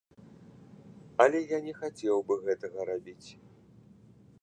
Але я не хацеў бы гэтага рабіць.